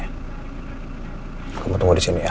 aku mau tunggu di sini ya